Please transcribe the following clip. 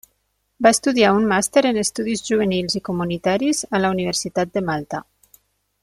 Va estudiar un màster en estudis juvenils i comunitaris a la Universitat de Malta.